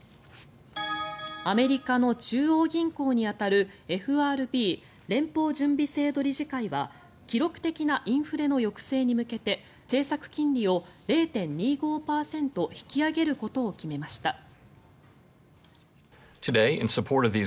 アメリカの中央銀行に当たるＦＲＢ・連邦準備制度理事会は記録的なインフレの抑制に向けて政策金利を０．２５％引き上げることを決めました。